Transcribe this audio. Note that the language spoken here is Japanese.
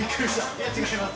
いや違います